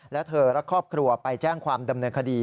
และเธอและครอบครัวไปแจ้งความดำเนินคดี